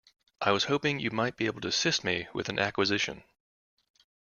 I was hoping you might be able to assist me with an acquisition.